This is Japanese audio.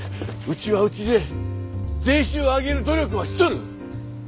うちはうちで税収を上げる努力をしとる！